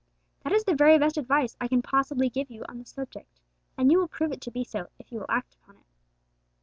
That is the very best advice I can possibly give you on the subject, and you will prove it to be so if you will act upon it.